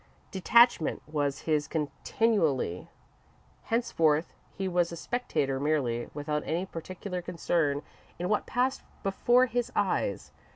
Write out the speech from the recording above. Detachment was his continually. Henceforth he was a spectator merely, without any particular concern in what passed before his eyes.